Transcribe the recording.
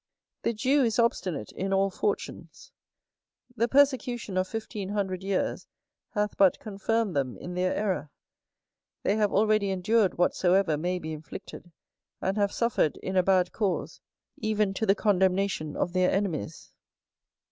The Jew is obstinate in all fortunes; the persecution of fifteen hundred years hath but confirmed them in their error. They have already endured whatsoever may be inflicted: and have suffered, in a bad cause, even to the condemnation of their enemies.